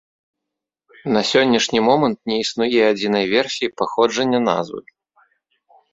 На сённяшні момант не існуе адзінай версіі паходжання назвы.